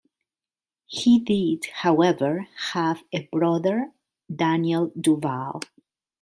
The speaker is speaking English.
He did however have a brother Daniel Du Val.